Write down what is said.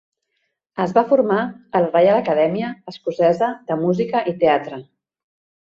Es va formar a la Reial Acadèmia Escocesa de Música i Teatre.